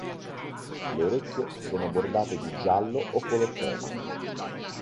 Le orecchie sono bordate di giallo o color crema.